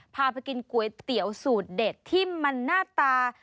พาไปกินก๋วยเตี๋ยวสูตรเด็ดที่มันหน้าตา